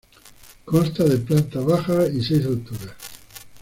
Consta de planta baja y seis alturas.